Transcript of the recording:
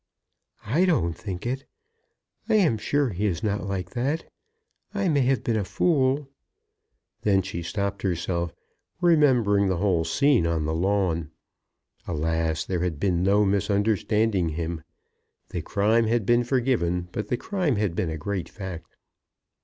"I don't think it. I am sure he is not like that. I may have been a fool " Then she stopped herself, remembering the whole scene on the lawn. Alas; there had been no misunderstanding him. The crime had been forgiven; but the crime had been a great fact.